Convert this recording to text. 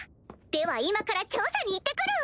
では今から調査に行って来る！